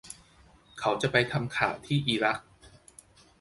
เขาจะไปทำข่าวที่อิรัก